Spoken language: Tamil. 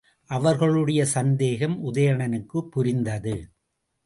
அவர்களுடைய சந்தேகம் உதயணனுக்கும் புரிந்தது.